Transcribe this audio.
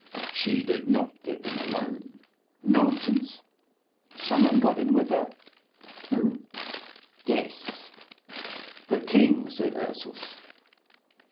"She did not get in alone." "Nonsense!" "Some one got in with her." "Who?" "Guess." "The king," said Ursus.